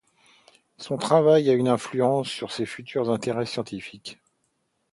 Son travail eu une influence sur ses futurs intérêts scientifiques.